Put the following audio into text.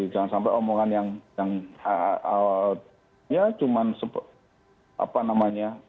jangan sampai omongan yang ya cuman apa namanya